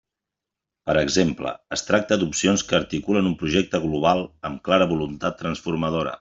Per exemple, es tracta d'opcions que articulen un projecte global amb clara voluntat transformadora.